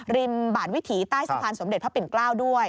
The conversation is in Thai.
บาดวิถีใต้สะพานสมเด็จพระปิ่นเกล้าด้วย